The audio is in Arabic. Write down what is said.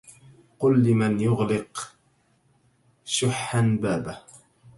قل لمن يغلق شحا بابه